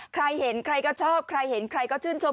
ใครเห็นใครก็ชอบใครเห็นใครก็ชื่นชม